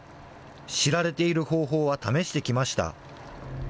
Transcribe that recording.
知られている方法は試してきました。